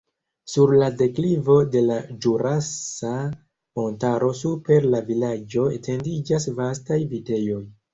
Sur la deklivo de la Ĵurasa Montaro super la vilaĝo etendiĝas vastaj vitejoj.